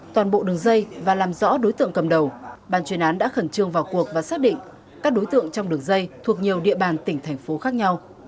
trong cầm đầu ban chuyên án đã khẩn trương vào cuộc và xác định các đối tượng trong đường dây thuộc nhiều địa bàn tỉnh thành phố khác nhau